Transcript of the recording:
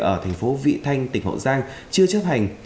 ở tp vị thanh tỉnh hậu giang chưa chấp hành